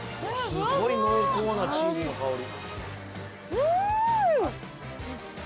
すごい濃厚なチーズの香り。